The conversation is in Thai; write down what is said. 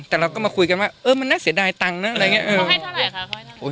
แต่เราก็มาคุยกันน่ะเอ๊ะมันน่าเสียดายตัง๊ะอะไรเงี้ย